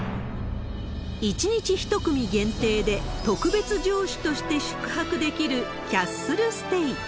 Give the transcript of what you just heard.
１日１組限定で、特別城主として宿泊できるキャッスルステイ。